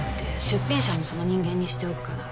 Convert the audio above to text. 出品者もその人間にしておくから